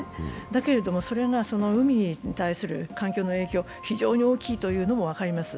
だけれども、それが海に対する環境の影響が非常に大きいというのも分かります。